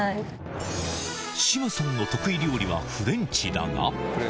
志麻さんの得意料理はフレンチだが。